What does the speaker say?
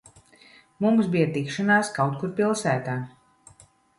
Mums bija tikšanās kaut kur pilsētā.